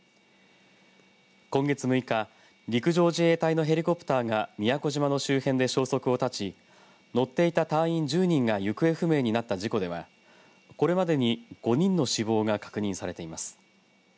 今月６日陸上自衛隊のヘリコプターが宮古島の周辺で消息を絶ち乗ってい隊員１０人が行方不明になった事故ではこれまでに５人の死亡が確認されています。